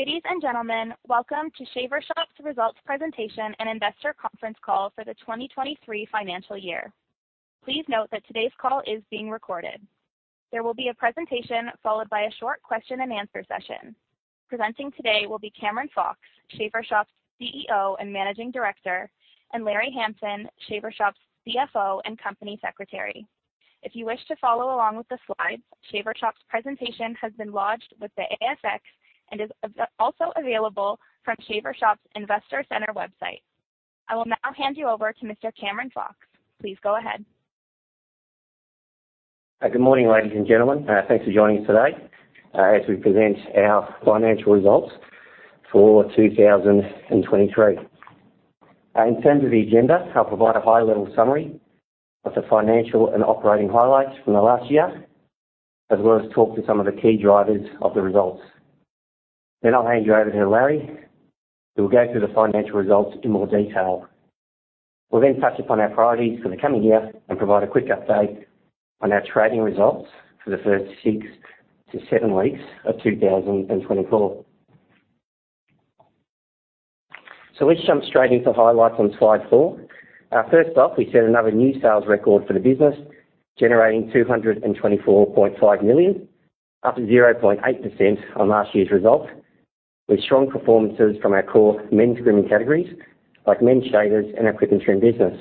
Ladies and gentlemen, welcome to Shaver Shop's Results Presentation and Investor Conference Call for the 2023 financial year. Please note that today's call is being recorded. There will be a presentation, followed by a short question and answer session. Presenting today will be Cameron Fox, Shaver Shop's CEO and Managing Director, and Larry Hamson, Shaver Shop's CFO and Company Secretary. If you wish to follow along with the slides, Shaver Shop's presentation has been lodged with the ASX and is also available from Shaver Shop's Investor Centre website. I will now hand you over to Mr. Cameron Fox. Please go ahead. Good morning, ladies and gentlemen. Thanks for joining us today as we present our financial results for 2023. In terms of the agenda, I'll provide a high-level summary of the financial and operating highlights from the last year, as well as talk to some of the key drivers of the results. I'll hand you over to Larry, who will go through the financial results in more detail. We'll touch upon our priorities for the coming year and provide a quick update on our trading results for the first six to seven weeks of 2024. Let's jump straight into the highlights on slide four. First off, we set another new sales record for the business, generating 224.5 million, up 0.8% on last year's results, with strong performances from our core men's grooming categories, like men's shavers and our quick and trim business.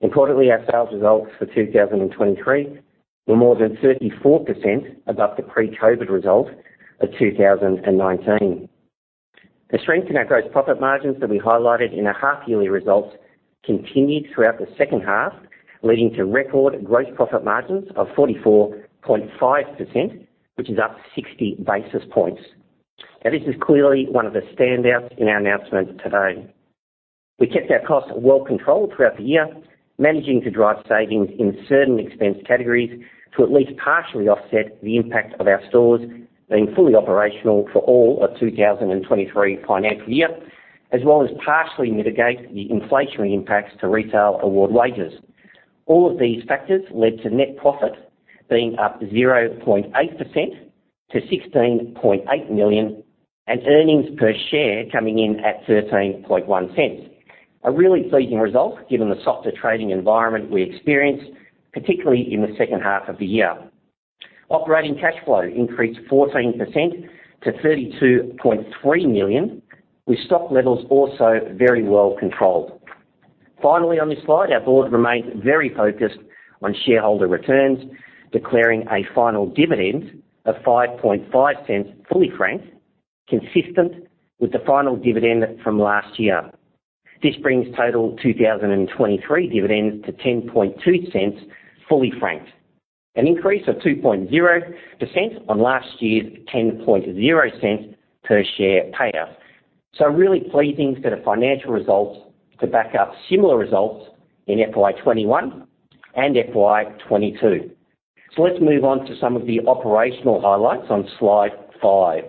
Importantly, our sales results for 2023 were more than 34% above the pre-COVID-19 result of 2019. The strength in our gross profit margins that we highlighted in our half-yearly results continued throughout the H2, leading to record gross profit margins of 44.5%, which is up 60 basis points. Now, this is clearly one of the standouts in our announcement today. We kept our costs well controlled throughout the year, managing to drive savings in certain expense categories to at least partially offset the impact of our stores being fully operational for all of 2023 financial year, as well as partially mitigate the inflationary impacts to retail award wages. All of these factors led to net profit being up 0.8% to 16.8 million, and earnings per share coming in at 0.131. A really pleasing result, given the softer trading environment we experienced, particularly in the H2 of the year. Operating cash flow increased 14% to 32.3 million, with stock levels also very well controlled. Finally, on this slide, our board remains very focused on shareholder returns, declaring a final dividend of 0.055, fully franked, consistent with the final dividend from last year. This brings total 2023 dividends to 0.102, fully franked, an increase of 2.0% on last year's 0.100 per share payout. Really pleasing set of financial results to back up similar results in FY21 and FY22. Let's move on to some of the operational highlights on slide five.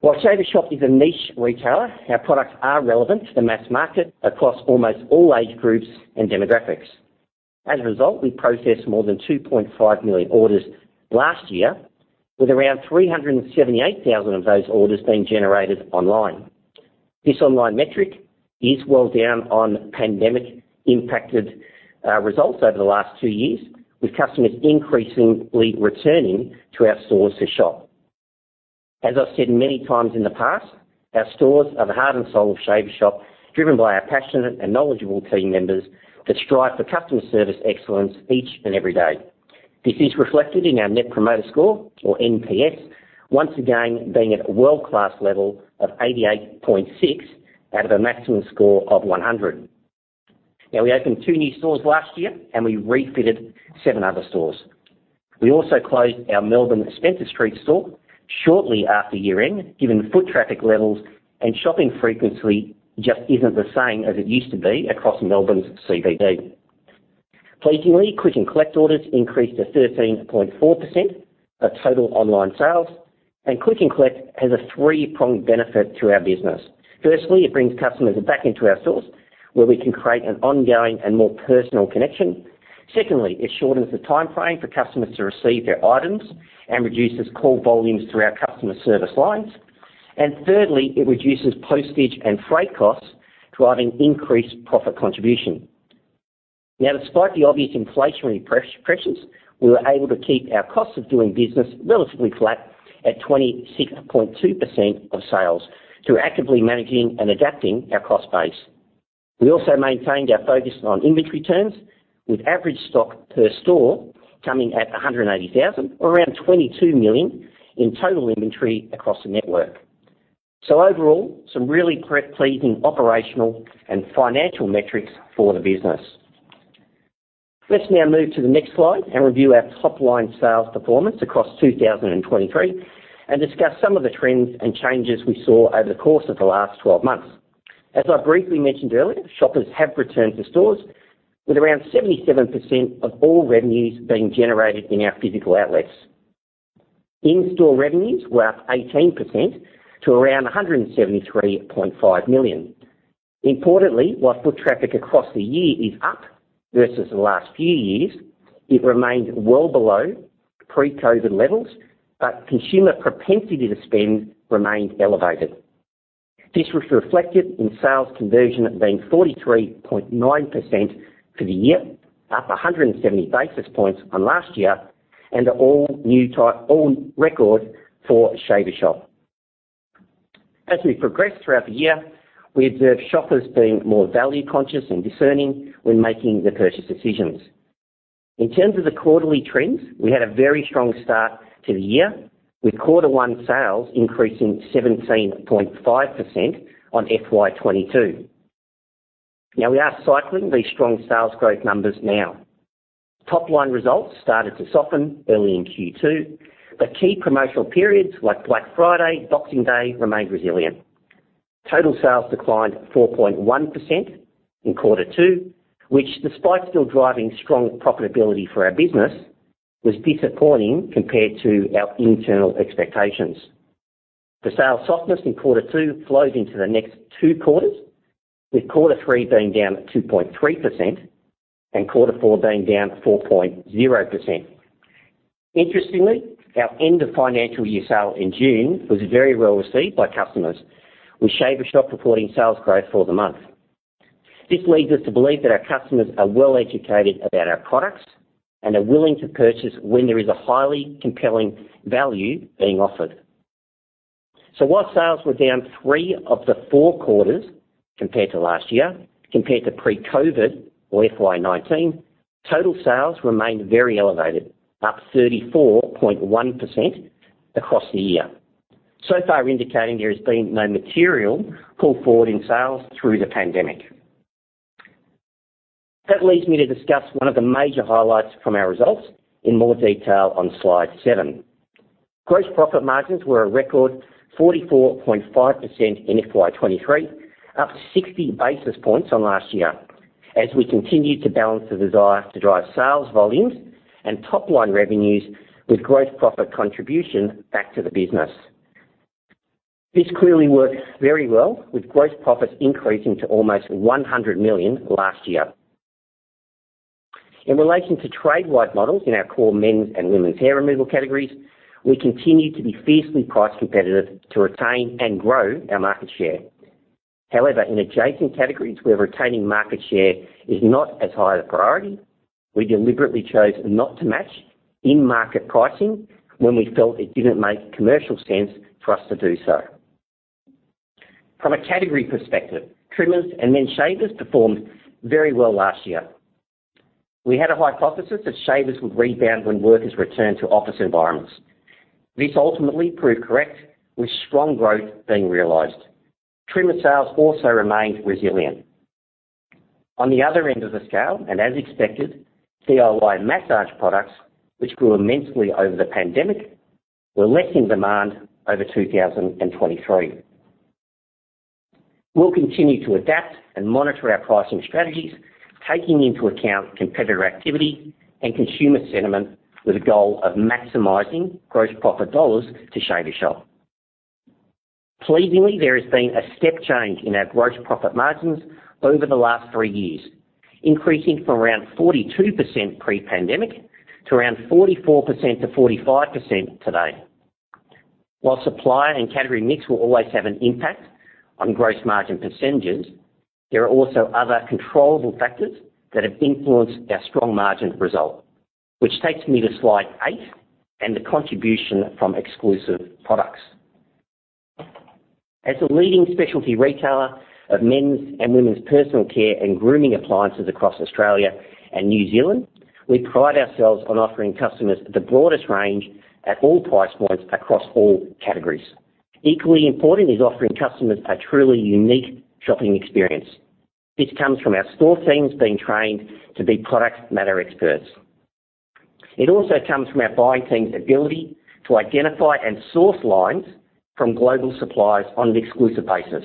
While Shaver Shop is a niche retailer, our products are relevant to the mass market across almost all age groups and demographics. As a result, we processed more than 2.5 million orders last year, with around 378,000 of those orders being generated online. This online metric is well down on pandemic-impacted results over the last two years, with customers increasingly returning to our stores to shop. As I've said many times in the past, our stores are the heart and soul of Shaver Shop, driven by our passionate and knowledgeable team members that strive for customer service excellence each and every day. This is reflected in our Net Promoter Score, or NPS, once again, being at a world-class level of 88.6 out of a maximum score of 100. We opened two new stores last year, and we refitted seven other stores. We also closed our Melbourne Spencer Street store shortly after year-end, given foot traffic levels and shopping frequency just isn't the same as it used to be across Melbourne's CBD. Pleasingly, Click & Collect orders increased to 13.4% of total online sales. Click & Collect has a three-pronged benefit to our business. Firstly, it brings customers back into our stores, where we can create an ongoing and more personal connection. Secondly, it shortens the timeframe for customers to receive their items and reduces call volumes through our customer service lines. Thirdly, it reduces postage and freight costs, driving increased profit contribution. Despite the obvious inflationary pressures, we were able to keep our costs of doing business relatively flat at 26.2% of sales through actively managing and adapting our cost base. We also maintained our focus on inventory terms, with average stock per store coming at 180,000, or around 22 million in total inventory across the network. Overall, some really pleasing operational and financial metrics for the business. Let's now move to the next slide and review our top-line sales performance across 2023 and discuss some of the trends and changes we saw over the course of the last 12 months. As I briefly mentioned earlier, shoppers have returned to stores, with around 77% of all revenues being generated in our physical outlets. In-store revenues were up 18% to around 173.5 million. Importantly, while foot traffic across the year is up versus the last few years, it remains well below pre-COVID-19 levels, consumer propensity to spend remained elevated. This was reflected in sales conversion being 43.9% for the year, up 170 basis points on last year, and an all-new all record for Shaver Shop. As we progressed throughout the year, we observed shoppers being more value-conscious and discerning when making their purchase decisions. In terms of the quarterly trends, we had a very strong start to the year, with Q1 sales increasing 17.5% on FY22. We are cycling these strong sales growth numbers now. Top-line results started to soften early in Q2, but key promotional periods like Black Friday, Boxing Day remained resilient. Total sales declined 4.1% in Q2, which, despite still driving strong profitability for our business, was disappointing compared to our internal expectations. The sales softness in Q2 flows into the next two quarters, with Q3 being down 2.3% and Q4 being down 4.0%. Interestingly, our end of financial year sale in June was very well received by customers, with Shaver Shop reporting sales growth for the month. This leads us to believe that our customers are well-educated about our products and are willing to purchase when there is a highly compelling value being offered. While sales were down three of the four quarters compared to last year, compared to pre-COVID-19 or FY19, total sales remained very elevated, up 34.1% across the year. So far, indicating there has been no material pull forward in sales through the pandemic. That leads me to discuss one of the major highlights from our results in more detail on slide 7. Gross profit margins were a record 44.5% in FY23, up 60 basis points on last year, as we continued to balance the desire to drive sales volumes and top-line revenues with gross profit contribution back to the business. This clearly worked very well, with gross profits increasing to almost 100 million last year. In relation to trade-wide models in our core men's and women's hair removal categories, we continue to be fiercely price competitive to retain and grow our market share. However, in adjacent categories where retaining market share is not as high a priority, we deliberately chose not to match in-market pricing when we felt it didn't make commercial sense for us to do so. From a category perspective, trimmers and men's shavers performed very well last year. We had a hypothesis that shavers would rebound when workers returned to office environments. This ultimately proved correct, with strong growth being realized. Trimmer sales also remained resilient. On the other end of the scale, as expected, Homedics massage products, which grew immensely over the pandemic, were less in demand over 2023. We'll continue to adapt and monitor our pricing strategies, taking into account competitor activity and consumer sentiment, with a goal of maximizing gross profit dollars to Shaver Shop. Pleasingly, there has been a step change in our gross profit margins over the last 3 years, increasing from around 42% pre-pandemic to around 44%-45% today. While supplier and category mix will always have an impact on gross margin percentages, there are also other controllable factors that have influenced our strong margin result, which takes me to slide eight and the contribution from exclusive products. As a leading specialty retailer of men's and women's personal care and grooming appliances across Australia and New Zealand, we pride ourselves on offering customers the broadest range at all price points across all categories. Equally important is offering customers a truly unique shopping experience. This comes from our store teams being trained to be product matter experts. It also comes from our buying team's ability to identify and source lines from global suppliers on an exclusive basis.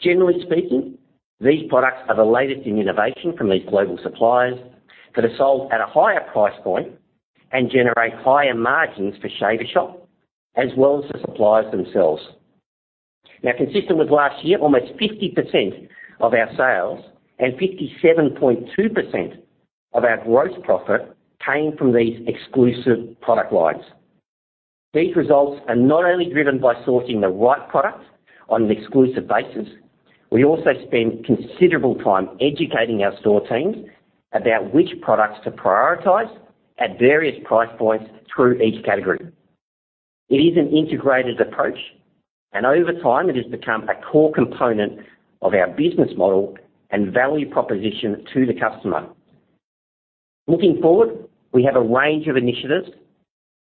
Generally speaking, these products are the latest in innovation from these global suppliers that are sold at a higher price point and generate higher margins for Shaver Shop, as well as the suppliers themselves. Now, consistent with last year, almost 50% of our sales and 57.2% of our Gross Profit came from these exclusive product lines. These results are not only driven by sourcing the right products on an exclusive basis, we also spend considerable time educating our store teams about which products to prioritize at various price points through each category. It is an integrated approach, and over time, it has become a core component of our business model and value proposition to the customer. Looking forward, we have a range of initiatives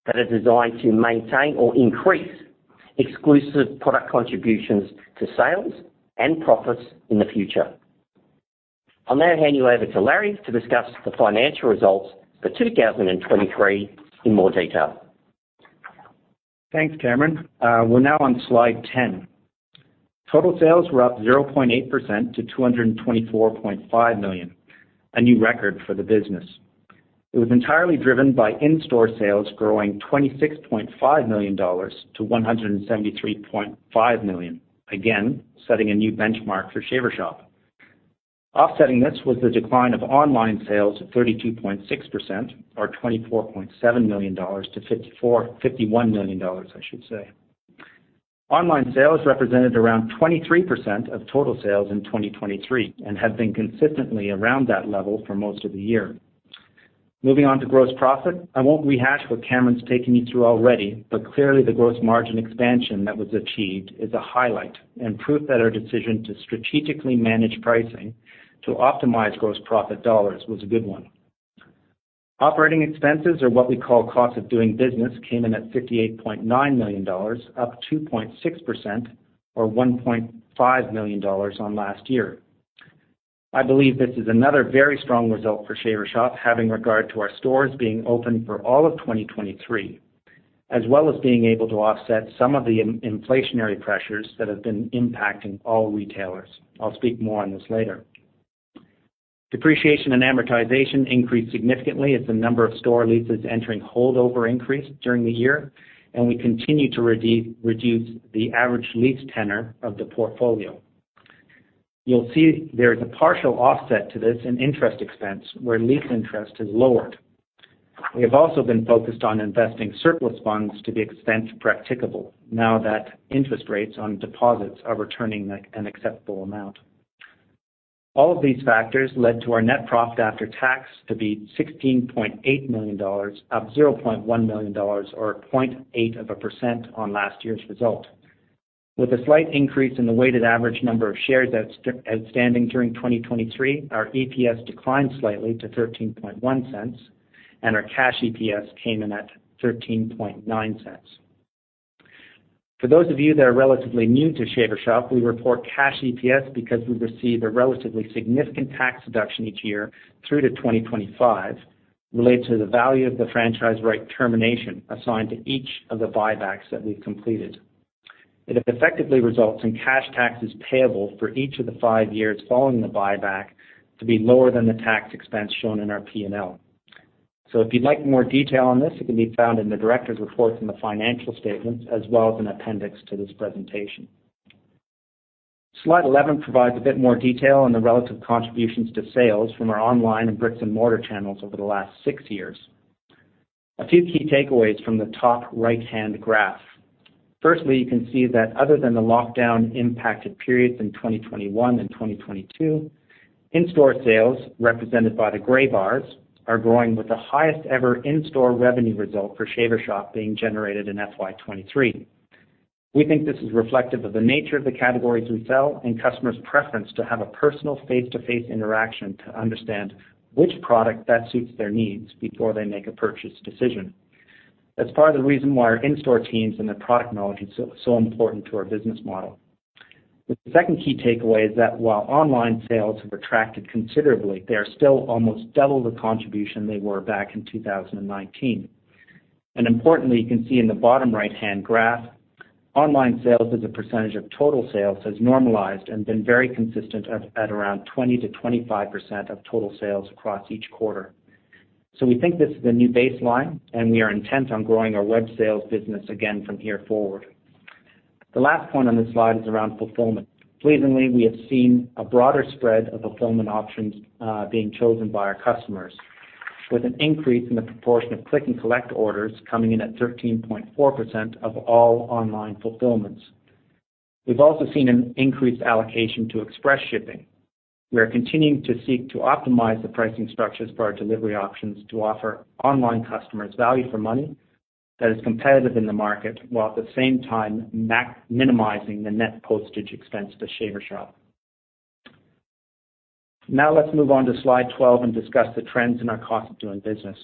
that are designed to maintain or increase exclusive product contributions to sales and profits in the future. I'll now hand you over to Larry to discuss the financial results for 2023 in more detail. Thanks, Cameron. We're now on slide 10. Total sales were up 0.8% to 224.5 million, a new record for the business. It was entirely driven by in-store sales growing 26.5 million dollars to 173.5 million, again, setting a new benchmark for Shaver Shop. Offsetting this was the decline of online sales of 32.6%, or 24.7 million dollars to 51 million dollars, I should say. Online sales represented around 23% of total sales in 2023, and have been consistently around that level for most of the year. Moving on to gross profit. Clearly, the gross margin expansion that was achieved is a highlight and proof that our decision to strategically manage pricing to optimize gross profit dollars was a good one. Operating expenses, or what we call cost of doing business, came in at 58.9 million dollars, up 2.6%, or 1.5 million dollars on last year. I believe this is another very strong result for Shaver Shop, having regard to our stores being open for all of 2023, as well as being able to offset some of the inflationary pressures that have been impacting all retailers. I'll speak more on this later. Depreciation and amortization increased significantly as the number of store leases entering holdover increased during the year, and we continue to reduce the average lease tenor of the portfolio. You'll see there is a partial offset to this in interest expense, where lease interest is lowered. We have also been focused on investing surplus funds to the extent practicable, now that interest rates on deposits are returning an acceptable amount. All of these factors led to our net profit after tax to be AUD 16.8 million, up 0.1 million dollars, or 0.8% on last year's result. With a slight increase in the weighted average number of shares outstanding during 2023, our EPS declined slightly to 0.131, and our cash EPS came in at 0.139. For those of you that are relatively new to Shaver Shop, we report cash EPS because we receive a relatively significant tax deduction each year through to 2025, related to the value of the franchise right termination assigned to each of the buybacks that we've completed. It effectively results in cash taxes payable for each of the five years following the buyback to be lower than the tax expense shown in our P&L. If you'd like more detail on this, it can be found in the directors' report in the financial statements, as well as an appendix to this presentation. Slide 11 provides a bit more detail on the relative contributions to sales from our online and bricks-and-mortar channels over the last six years. A few key takeaways from the top right-hand graph: firstly, you can see that other than the lockdown impacted periods in 2021 and 2022, in-store sales, represented by the gray bars, are growing with the highest ever in-store revenue result for Shaver Shop being generated in FY23. We think this is reflective of the nature of the categories we sell and customers' preference to have a personal face-to-face interaction to understand which product best suits their needs before they make a purchase decision. That's part of the reason why our in-store teams and their product knowledge is so, so important to our business model. The second key takeaway is that while online sales have retracted considerably, they are still almost double the contribution they were back in 2019. Importantly, you can see in the bottom right-hand graph, online sales as a percentage of total sales has normalized and been very consistent at around 20%-25% of total sales across each quarter. We think this is the new baseline, and we are intent on growing our web sales business again from here forward. The last point on this slide is around fulfillment. Pleasingly, we have seen a broader spread of fulfillment options, being chosen by our customers, with an increase in the proportion of Click & Collect orders coming in at 13.4% of all online fulfillments. We've also seen an increased allocation to express shipping. We are continuing to seek to optimize the pricing structures for our delivery options to offer online customers value for money that is competitive in the market, while at the same time minimizing the net postage expense to Shaver Shop. Let's move on to slide 12 and discuss the trends in our cost of doing business.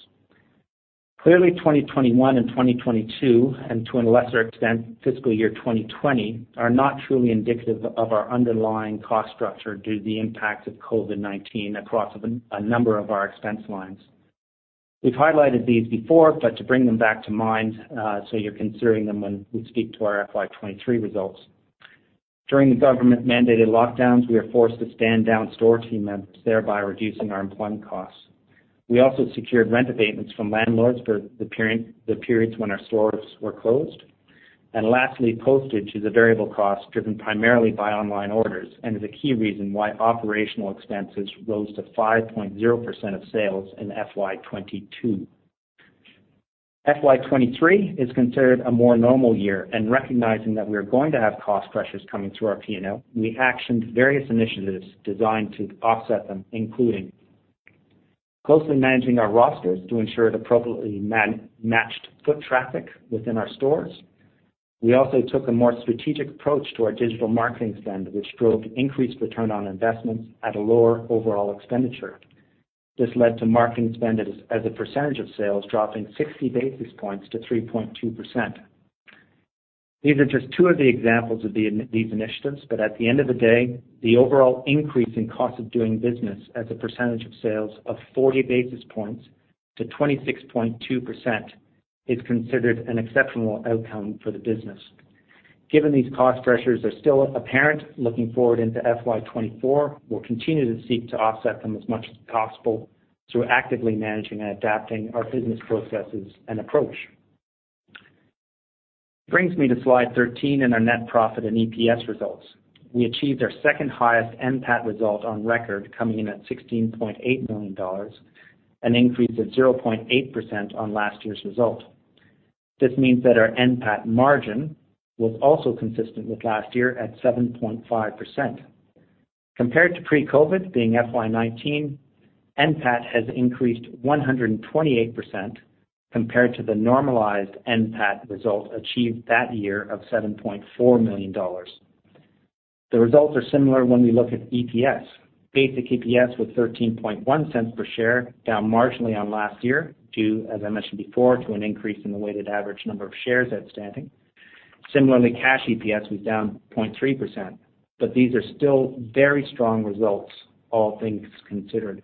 Clearly, 2021 and 2022, and to a lesser extent, fiscal year 2020, are not truly indicative of our underlying cost structure due to the impact of COVID-19 across a number of our expense lines. We've highlighted these before, but to bring them back to mind, so you're considering them when we speak to our FY23 results. During the government-mandated lockdowns, we were forced to stand down store team members, thereby reducing our employment costs. We also secured rent abatements from landlords for the period, the periods when our stores were closed. Lastly, postage is a variable cost driven primarily by online orders and is a key reason why operational expenses rose to 5.0% of sales in FY22. FY23 is considered a more normal year, and recognizing that we are going to have cost pressures coming through our P&L, we actioned various initiatives designed to offset them, including closely managing our rosters to ensure it appropriately matched foot traffic within our stores. We also took a more strategic approach to our digital marketing spend, which drove increased return on investments at a lower overall expenditure. This led to marketing spend as a percentage of sales, dropping 60 basis points to 3.2%. These are just two of the examples of these initiatives, at the end of the day, the overall increase in cost of doing business as a percentage of sales of 40 basis points to 26.2%, is considered an exceptional outcome for the business. Given these cost pressures are still apparent, looking forward into FY24, we'll continue to seek to offset them as much as possible through actively managing and adapting our business processes and approach. Brings me to slide 13 and our net profit and EPS results. We achieved our second-highest NPAT result on record, coming in at 16.8 million dollars, an increase of 0.8% on last year's result. This means that our NPAT margin was also consistent with last year at 7.5%. Compared to pre-COVID, being FY19, NPAT has increased 128% compared to the normalized NPAT result achieved that year of 7.4 million dollars. The results are similar when we look at EPS. Basic EPS was 0.131 per share, down marginally on last year due, as I mentioned before, to an increase in the weighted average number of shares outstanding. Similarly, cash EPS was down 0.3%, but these are still very strong results, all things considered.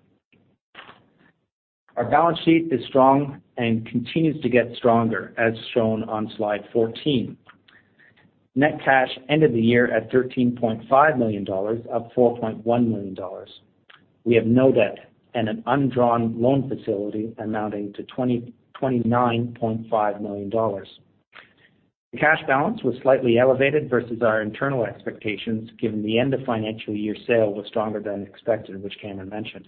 Our balance sheet is strong and continues to get stronger, as shown on slide 14. Net cash ended the year at 13.5 million dollars, up 4.1 million dollars. We have no debt and an undrawn loan facility amounting to 29.5 million dollars. The cash balance was slightly elevated versus our internal expectations, given the end of financial year sale was stronger than expected, which Cameron mentioned.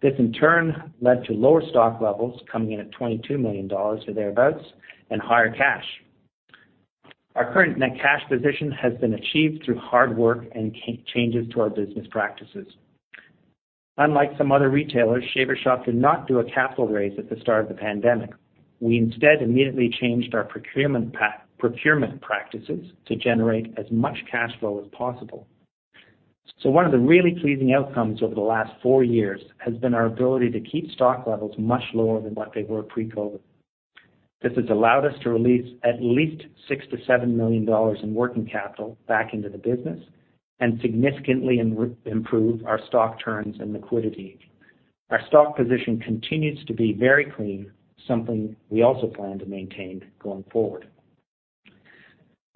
This, in turn, led to lower stock levels coming in at 22 million dollars or thereabouts, and higher cash. Our current net cash position has been achieved through hard work and changes to our business practices. Unlike some other retailers, Shaver Shop did not do a capital raise at the start of the pandemic. We instead immediately changed our procurement practices to generate as much cash flow as possible. One of the really pleasing outcomes over the last four years has been our ability to keep stock levels much lower than what they were pre-COVID. This has allowed us to release at least 6 million-7 million dollars in working capital back into the business and significantly improve our stock turns and liquidity. Our stock position continues to be very clean, something we also plan to maintain going forward.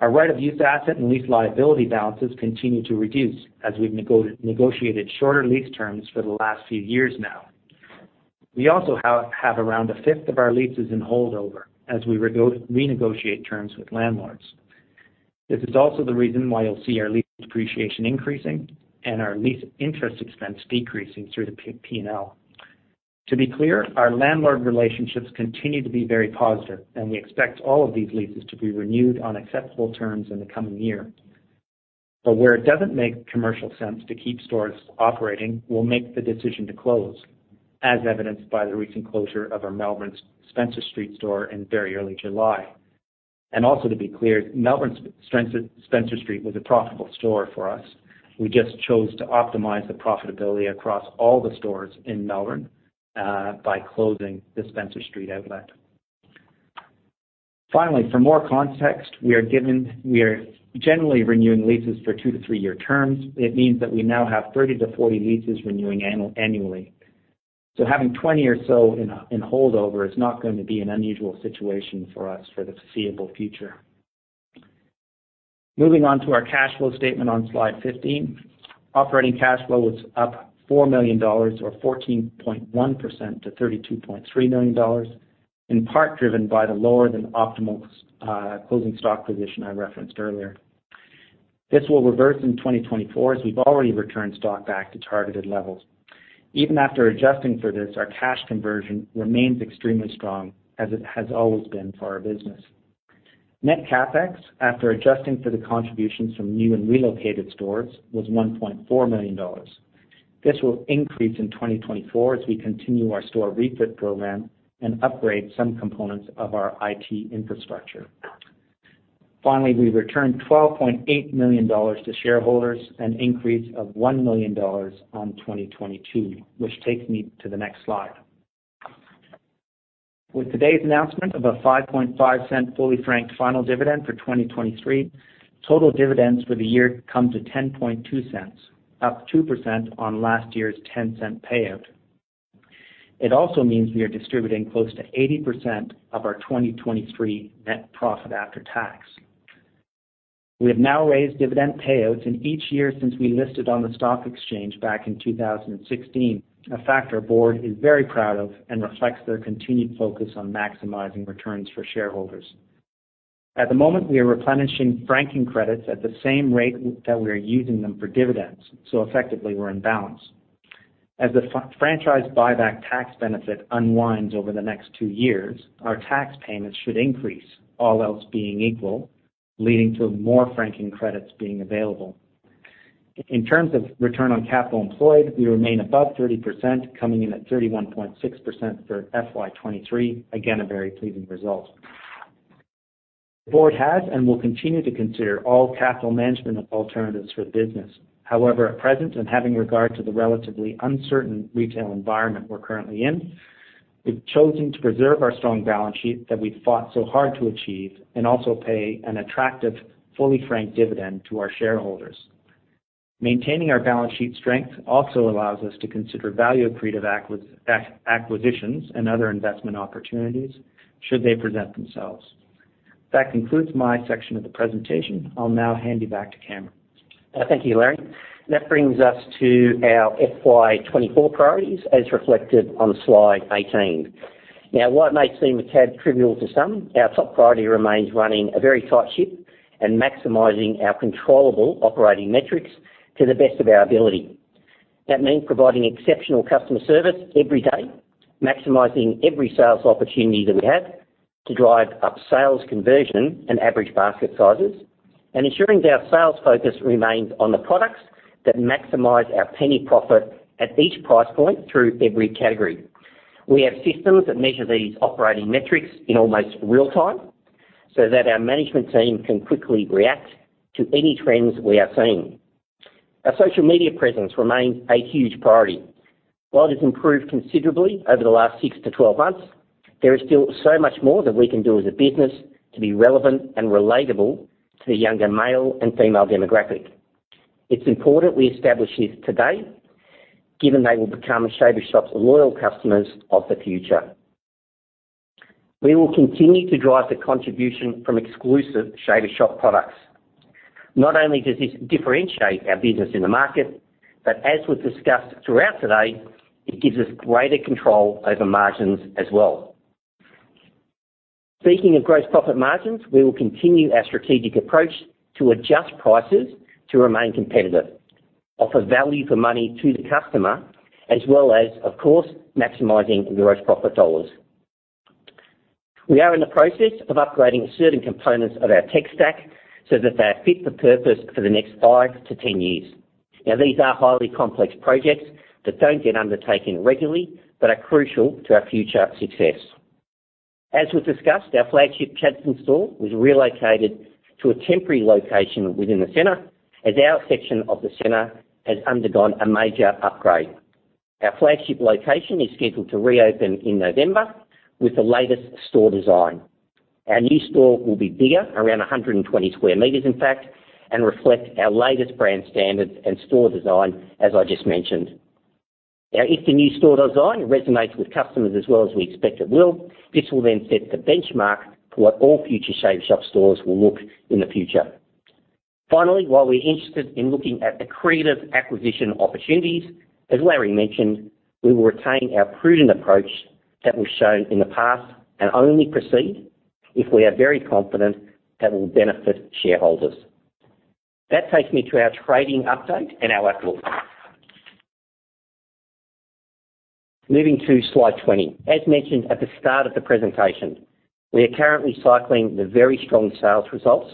Our right-of-use asset and lease liability balances continue to reduce as we've negotiated shorter lease terms for the last few years now. We also have around a fifth of our leases in holdover as we renegotiate terms with landlords. This is also the reason why you'll see our lease depreciation increasing and our lease interest expense decreasing through the P&L. To be clear, our landlord relationships continue to be very positive, and we expect all of these leases to be renewed on acceptable terms in the coming year. Where it doesn't make commercial sense to keep stores operating, we'll make the decision to close, as evidenced by the recent closure of our Melbourne Spencer Street store in very early July. Also, to be clear, Melbourne Spencer Street was a profitable store for us. We just chose to optimize the profitability across all the stores in Melbourne, by closing the Spencer Street outlet. Finally, for more context, we are generally renewing leases for two to three-year terms. It means that we now have 30-40 leases renewing annually, so having 20 or so in holdover is not going to be an unusual situation for us for the foreseeable future. Moving on to our cash flow statement on slide 15. Operating cash flow was up 4 million dollars, or 14.1% to 32.3 million dollars, in part driven by the lower than optimal closing stock position I referenced earlier. This will reverse in 2024, as we've already returned stock back to targeted levels. Even after adjusting for this, our cash conversion remains extremely strong, as it has always been for our business. Net CapEx, after adjusting for the contributions from new and relocated stores, was 1.4 million dollars. This will increase in 2024 as we continue our store refit program and upgrade some components of our IT infrastructure. Finally, we returned 12.8 million dollars to shareholders, an increase of 1 million dollars on 2022, which takes me to the next slide. With today's announcement of a 0.055 fully franked final dividend for 2023, total dividends for the year come to 0.102, up 2% on last year's 0.10 payout. It also means we are distributing close to 80% of our 2023 net profit after tax. We have now raised dividend payouts in each year since we listed on the stock exchange back in 2016, a fact our board is very proud of and reflects their continued focus on maximizing returns for shareholders. At the moment, we are replenishing franking credits at the same rate that we are using them for dividends, effectively, we're in balance. As the franchise buyback tax benefit unwinds over the next two years, our tax payments should increase, all else being equal, leading to more franking credits being available. In terms of return on capital employed, we remain above 30%, coming in at 31.6% for FY23. A very pleasing result. The board has and will continue to consider all capital management alternatives for the business. However, at present, having regard to the relatively uncertain retail environment we're currently in, we've chosen to preserve our strong balance sheet that we've fought so hard to achieve and also pay an attractive, fully franked dividend to our shareholders. Maintaining our balance sheet strength also allows us to consider value accretive acquisitions and other investment opportunities, should they present themselves. That concludes my section of the presentation. I'll now hand you back to Cameron. Thank you, Larry. That brings us to our FY24 priorities, as reflected on slide 18. While it may seem a tad trivial to some, our top priority remains running a very tight ship and maximizing our controllable operating metrics to the best of our ability. That means providing exceptional customer service every day, maximizing every sales opportunity that we have to drive up sales conversion and average basket sizes, and ensuring our sales focus remains on the products that maximize our penny profit at each price point through every category. We have systems that measure these operating metrics in almost real time, so that our management team can quickly react to any trends we are seeing. Our social media presence remains a huge priority. While it's improved considerably over the last 6 to 12 months, there is still so much more that we can do as a business to be relevant and relatable to the younger male and female demographic. It's important we establish this today, given they will become a Shaver Shop's loyal customers of the future. We will continue to drive the contribution from exclusive Shaver Shop products. Not only does this differentiate our business in the market, but as was discussed throughout today, it gives us greater control over margins as well. Speaking of gross profit margins, we will continue our strategic approach to adjust prices to remain competitive, offer value for money to the customer, as well as, of course, maximizing gross profit dollars. We are in the process of upgrading certain components of our tech stack so that they are fit for purpose for the next five to 10 years. These are highly complex projects that don't get undertaken regularly, but are crucial to our future success. As we've discussed, our flagship Chadstone store was relocated to a temporary location within the centre, as our section of the centre has undergone a major upgrade. Our flagship location is scheduled to reopen in November with the latest store design. Our new store will be bigger, around 120 square meters, in fact, and reflect our latest brand standards and store design, as I just mentioned. If the new store design resonates with customers as well as we expect it will, this will then set the benchmark for what all future Shaver Shop stores will look in the future. Finally, while we're interested in looking at accretive acquisition opportunities, as Larry mentioned, we will retain our prudent approach that we've shown in the past and only proceed if we are very confident that will benefit shareholders. That takes me to our trading update and our outlook. Moving to slide 20. As mentioned at the start of the presentation, we are currently cycling the very strong sales results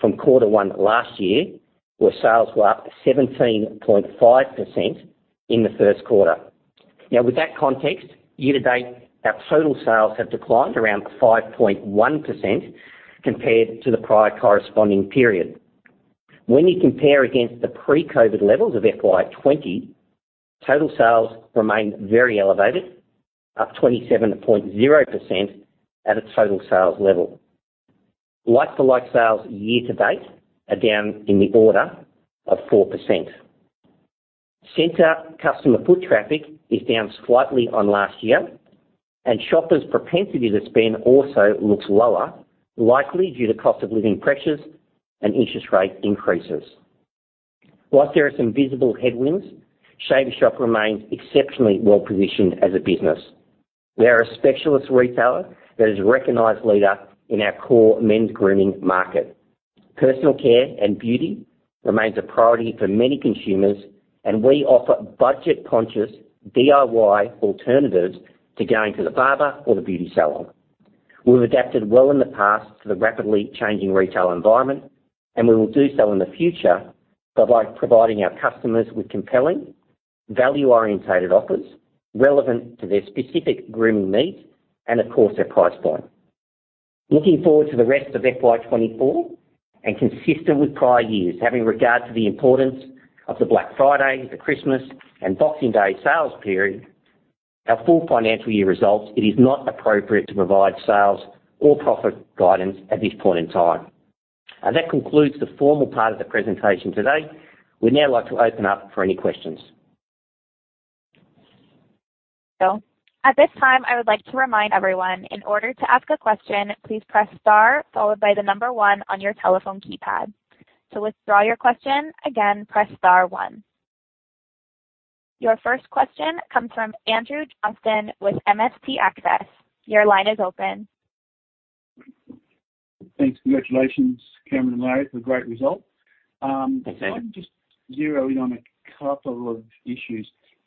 from Q1 last year, where sales were up 17.5% in the Q1. Now, with that context, year to date, our total sales have declined around 5.1% compared to the prior corresponding period. When you compare against the pre-COVID-19 levels of FY20, total sales remain very elevated, up 27.0% at a total sales level. Like-for-like sales year to date are down in the order of 4%. Center customer foot traffic is down slightly on last year, and shoppers' propensity to spend also looks lower, likely due to cost of living pressures and interest rate increases. Whilst there are some visible headwinds, Shaver Shop remains exceptionally well positioned as a business. We are a specialist retailer that is a recognized leader in our core men's grooming market. Personal care and beauty remains a priority for many consumers, and we offer budget-conscious DIY alternatives to going to the barber or the beauty salon. We've adapted well in the past to the rapidly changing retail environment, and we will do so in the future by providing our customers with compelling, value-oriented offers relevant to their specific grooming needs and, of course, their price point. Looking forward to the rest of FY24 and consistent with prior years, having regard to the importance of the Black Friday, the Christmas, and Boxing Day sales period, our full financial year results, it is not appropriate to provide sales or profit guidance at this point in time. That concludes the formal part of the presentation today. We'd now like to open up for any questions. At this time, I would like to remind everyone, in order to ask a question, please press star followed by one on your telephone keypad. To withdraw your question, again, press star one. Your first question comes from Andrew Johnston with MST Access. Your line is open. Thanks. Congratulations, Cameron and Larry, for the great results. Thanks, Andrew. I'll just zero in on a couple of issues.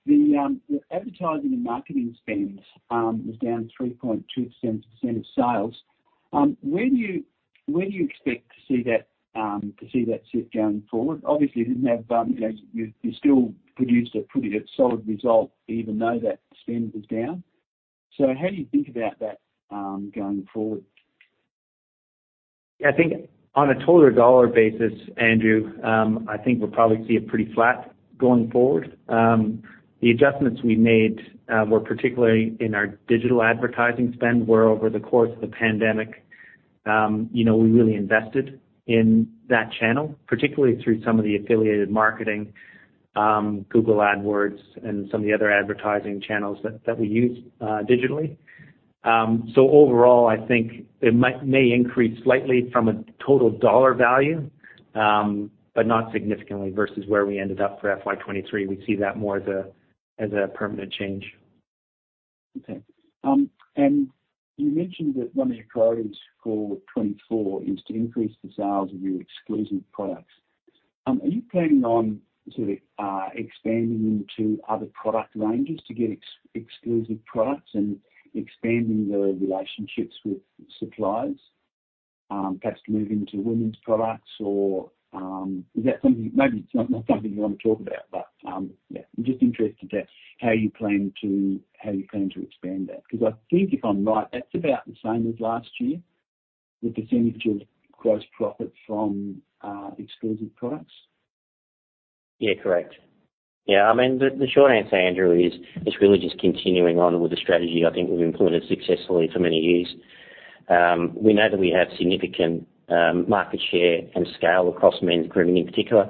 The, the advertising and marketing spend, was down 3.2% of sales. When do you, when do you expect to see that, to see that shift going forward? Obviously, you didn't have, you know, you, you still produced a pretty solid result even though that spend was down. How do you think about that, going forward? I think on a total dollar basis, Andrew, I think we'll probably see it pretty flat going forward. The adjustments we made, were particularly in our digital advertising spend, where over the course of the pandemic, you know, we really invested in that channel, particularly through some of the affiliate marketing, Google AdWords and some of the other advertising channels that, that we use, digitally. Overall, I think may increase slightly from a total dollar value, but not significantly versus where we ended up for FY23. We see that more as a, as a permanent change. Okay. You mentioned that one of your priorities for 2024 is to increase the sales of your exclusive products. Are you planning on sort of expanding into other product ranges to get exclusive products and expanding the relationships with suppliers, perhaps to move into women's products? Is that something, maybe it's not, not something you want to talk about, but, yeah, I'm just interested at how you plan to, how you plan to expand that. I think if I'm right, that's about the same as last year, the percentage of gross profit from exclusive products. Yeah, correct. Yeah, I mean, the, the short answer, Andrew, is it's really just continuing on with the strategy I think we've implemented successfully for many years. We know that we have significant market share and scale across men's grooming in particular.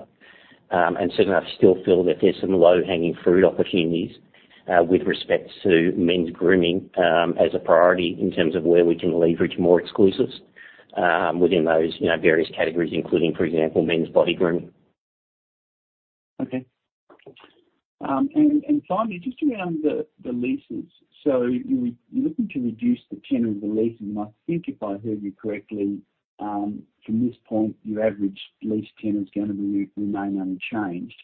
Certainly, I still feel that there's some low-hanging fruit opportunities with respect to men's grooming as a priority in terms of where we can leverage more exclusives within those, you know, various categories, including, for example, men's body grooming. Okay. Finally, just around the leases. You were looking to reduce the tenure of the leasing, I think if I heard you correctly? From this point, your average lease tenure is gonna be remain unchanged.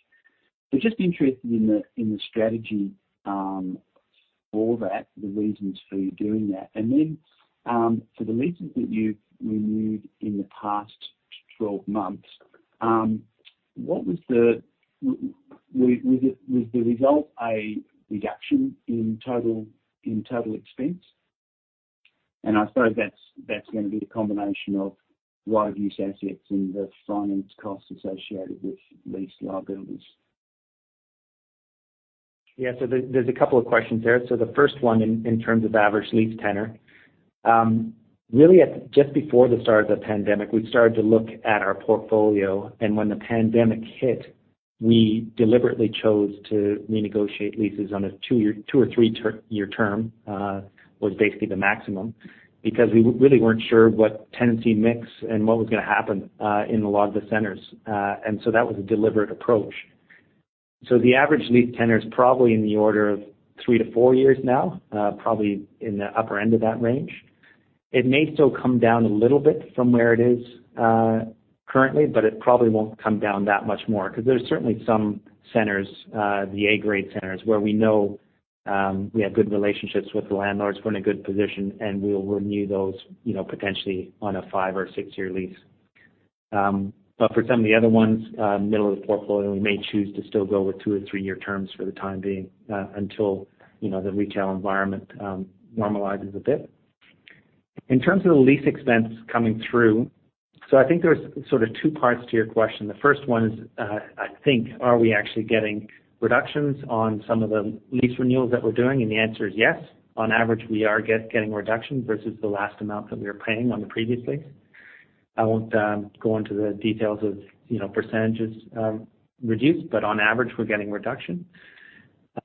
Just interested in the strategy for that, the reasons for you doing that. For the leases that you've renewed in the past 12 months, what was the result a reduction in total, in total expense? I suppose that's, that's gonna be the combination of right-of-use assets and the finance costs associated with lease liabilities. Yeah. There, there's a couple of questions there. The first one in, in terms of average lease tenure, really at just before the start of the pandemic, we started to look at our portfolio, and when the pandemic hit, we deliberately chose to renegotiate leases on a two-year, two or three-year term, was basically the maximum, because we really weren't sure what tenancy mix and what was gonna happen, in a lot of the centers. That was a deliberate approach. The average lease tenure is probably in the order of three to four years now, probably in the upper end of that range. It may still come down a little bit from where it is, currently, but it probably won't come down that much more because there's certainly some centers, the A-grade centers, where we know, we have good relationships with the landlords, we're in a good position, and we'll renew those, you know, potentially on a five- or six-year lease. For some of the other ones, middle of the portfolio, we may choose to still go with two or three-year terms for the time being, until, you know, the retail environment, normalizes a bit. In terms of the lease expense coming through, I think there's sort of two parts to your question. The first one is, I think, are we actually getting reductions on some of the lease renewals that we're doing? The answer is yes. On average, we are getting reductions versus the last amount that we were paying on the previous lease. I won't go into the details of, you know, percentages reduced, but on average, we're getting reduction.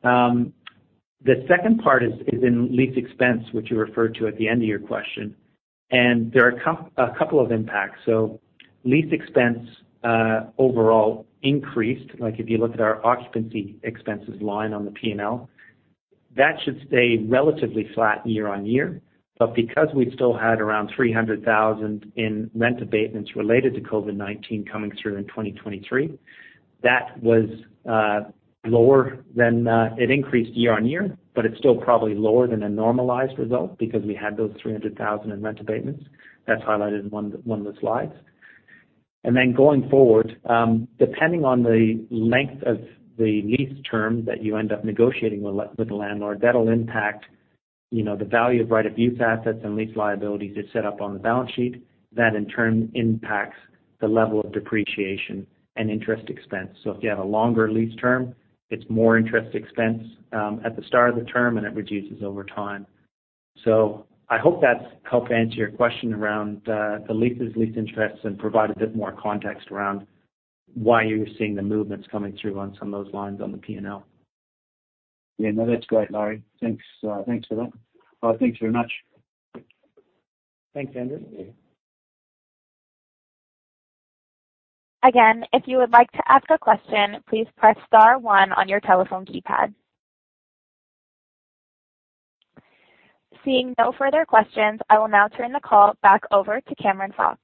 The second part is, is in lease expense, which you referred to at the end of your question. There are a couple of impacts. Lease expense overall increased. Like, if you look at our occupancy expenses line on the P&L, that should stay relatively flat year-on-year. Because we still had around 300,000 in rent abatements related to COVID-19 coming through in 2023, that was lower than. It increased year-on-year, but it's still probably lower than a normalized result because we had those 300,000 in rent abatements. That's highlighted in one of the slides. Then going forward, depending on the length of the lease term that you end up negotiating with the, with the landlord, that'll impact, you know, the value of right-of-use assets and lease liabilities you set up on the balance sheet. That in turn impacts the level of depreciation and interest expense. If you have a longer lease term, it's more interest expense at the start of the term, and it reduces over time. I hope that's helped answer your question around the leases, lease interests, and provide a bit more context around why you're seeing the movements coming through on some of those lines on the P&L. Yeah, no, that's great, Larry. Thanks. Thanks for that. Well, thanks very much. Thanks, Andrew. If you would like to ask a question, please press star one on your telephone keypad. Seeing no further questions, I will now turn the call back over to Cameron Fox.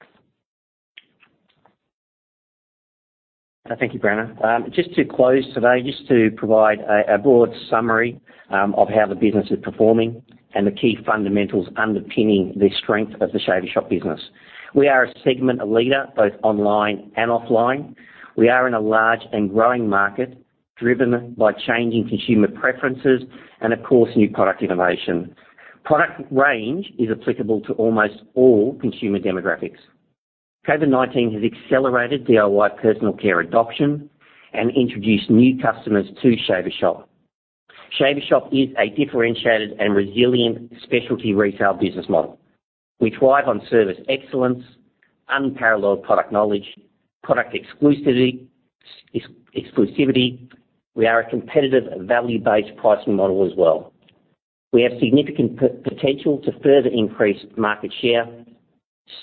Thank you, Brianna. Just to close today, just to provide a broad summary of how the business is performing and the key fundamentals underpinning the strength of the Shaver Shop business. We are a segment leader, both online and offline. We are in a large and growing market, driven by changing consumer preferences and, of course, new product innovation. Product range is applicable to almost all consumer demographics. COVID-19 has accelerated DIY personal care adoption and introduced new customers to Shaver Shop. Shaver Shop is a differentiated and resilient specialty retail business model. We thrive on service excellence, unparalleled product knowledge, product exclusivity. We are a competitive value-based pricing model as well. We have significant potential to further increase market share,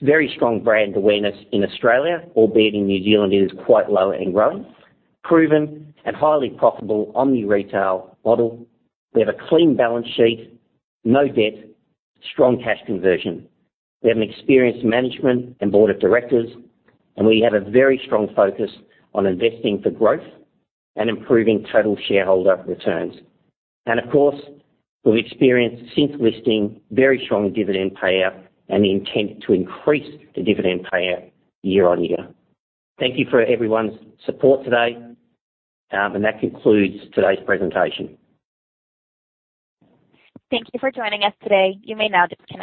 very strong brand awareness in Australia, albeit in New Zealand, it is quite low and growing, proven and highly profitable omni-retail model. We have a clean balance sheet, no debt, strong cash conversion. We have an experienced management and board of directors, we have a very strong focus on investing for growth and improving total shareholder returns. Of course, we've experienced since listing, very strong dividend payout and the intent to increase the dividend payout year-on-year. Thank you for everyone's support today, and that concludes today's presentation. Thank you for joining us today. You may now disconnect.